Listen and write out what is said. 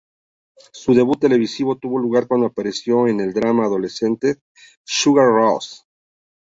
Su debut televisivo tuvo lugar cuando apareció en el drama adolescente "Sugar Rush".